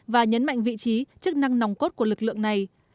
và nhấn mạnh vị trí chức năng nòng cốt của lực lượng này